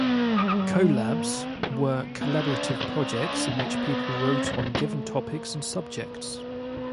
"Collabs" were collaborative projects in which people wrote on given topics and subjects.